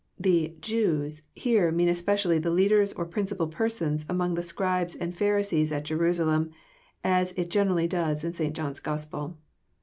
] The "Jews'* here mean especially the leaders or principal persons among the Scribes and Pharisees at Jerusalem, as it generally does in St. John's Gospel.